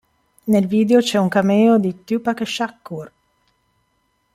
Nel video c'è un cameo di Tupac Shakur.